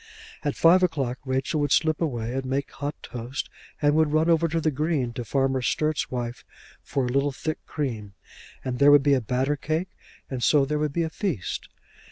At five o'clock Rachel would slip away and make hot toast, and would run over the Green to Farmer Sturt's wife for a little thick cream, and there would be a batter cake, and so there would be a feast.